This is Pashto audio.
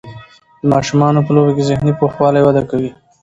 د ماشومانو په لوبو کې ذهني پوخوالی وده کوي.